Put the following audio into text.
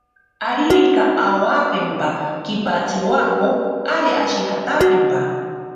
Aririka awakempa kipatsiwako, ari ashijatakempa.